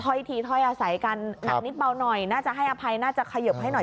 ทีถ้อยอาศัยกันหนักนิดเบาหน่อยน่าจะให้อภัยน่าจะขยิบให้หน่อย